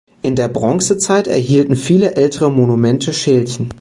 In der Bronzezeit erhielten viele ältere Monumente Schälchen.